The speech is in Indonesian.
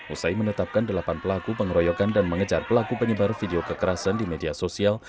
usai menetapkan delapan pelaku pengeroyokan dan mengejar pelaku penyebar video kekerasan di media sosial